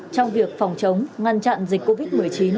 trong việc phòng chống ngăn chặn dịch covid một mươi chín